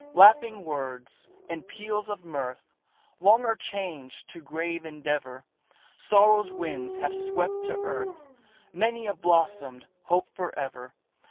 "Laughing words and peals of mirth, Long are changed to grave endeavor; Sorrow's winds have swept to earth Many a blossomed hope forever.